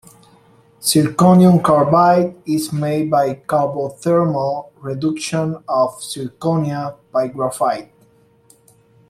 Zirconium carbide is made by carbo-thermal reduction of zirconia by graphite.